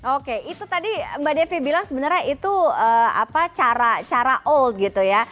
oke itu tadi mbak devi bilang sebenarnya itu cara old gitu ya